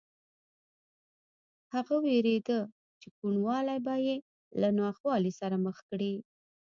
هغه وېرېده چې کوڼوالی به یې له ناخوالې سره مخ کړي